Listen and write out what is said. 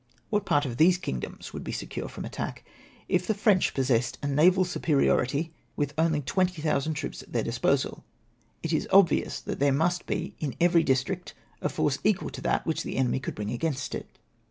What part of these kingdoms would be secure from attack if the French possessed a naval supe riority, witli only 20,000 troops at their disposal ? It is obvious that there must l^e in every district a force equal to that which the enemy could bring against it.